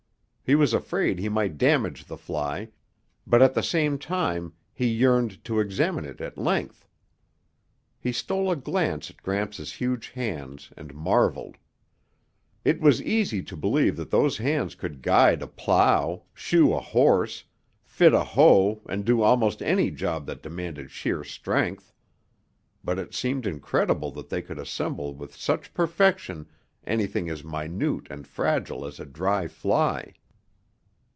He was afraid he might damage the fly, but at the same time he yearned to examine it at length. He stole a glance at Gramps' huge hands and marvelled. It was easy to believe that those hands could guide a plow, shoe a horse, fit a hoe and do almost any job that demanded sheer strength. But it seemed incredible that they could assemble with such perfection anything as minute and fragile as a dry fly.